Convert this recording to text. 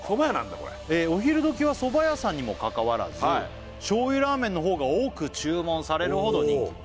これ「お昼時はそば屋さんにもかかわらず」「醤油ラーメンのほうが多く注文されるほど人気」